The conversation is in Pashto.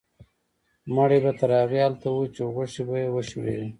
مړی به تر هغې هلته و چې غوښې به یې وشړېدې.